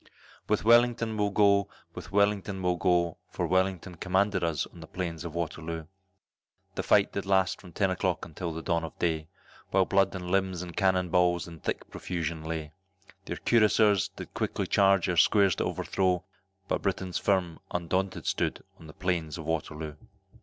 With Wellington we'll go, with Wellington we'll go, For Wellington commanded us on the Plains of Waterloo, The fight did last from ten o'clock until the dawn of day, While blood and limbs and cannon balls in thick profusion lay; Their Cuirassieurs did quickly charge our squares to overthrow, But Britons firm, undaunted stood, on the Plains of Waterloo.